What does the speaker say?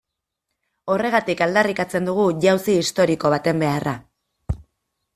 Horregatik aldarrikatzen dugu jauzi historiko baten beharra.